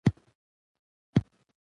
امنیت د ژوند په ټولو چارو کې مهم دی.